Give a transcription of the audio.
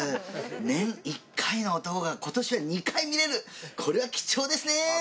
年１回の男がことしは２回見れる、これは貴重ですね。